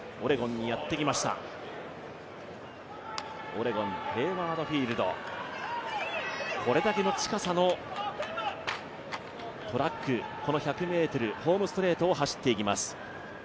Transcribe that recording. オレゴン・ヘイワード・フィールド、これだけの近さのトラック、この１００ｍ、ホームストレートを走っていきます。